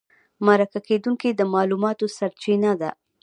مرکه کېدونکی د معلوماتو سرچینه ده.